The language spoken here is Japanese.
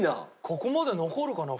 ここまで残るかな？